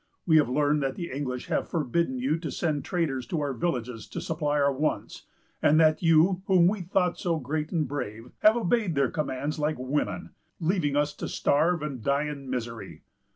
We have learned that the English have forbidden you to send traders to our villages to supply our wants; and that you, whom we thought so great and brave, have obeyed their commands like women, leaving us to starve and die in misery.